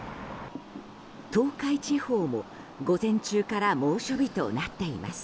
東海地方も午前中から猛暑日となっています。